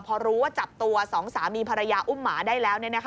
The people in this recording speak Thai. พอรู้ว่าจับตัวสองสามีภรรยาอุ้มหมาได้แล้ว